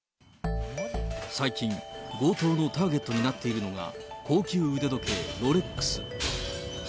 最近、強盗のターゲットになっているのが、高級腕時計、ロレックス。